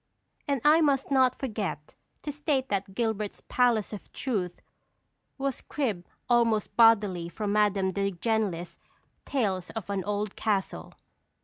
And I must not forget to state that Gilbert's Palace of Truth was cribbed almost bodily from Madame de Genlis's "Tales of an Old Castle."